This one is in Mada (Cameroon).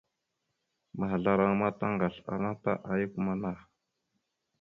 Mahəzlaraŋa ma taŋgasl ana ta ayak amanah.